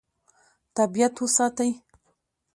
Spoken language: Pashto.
طبیعت وساتئ.